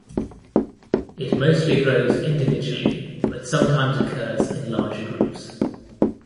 It mostly grows individually but sometimes occurs in larger groups.